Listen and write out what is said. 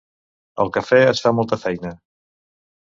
Al cafè es fa molta feina.